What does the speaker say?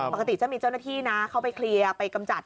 ปกติจะมีเจ้าหน้าที่นะเข้าไปเคลียร์ไปกำจัด